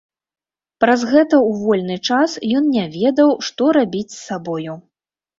Праз гэта ў вольны час ён не ведаў, што рабіць з сабою.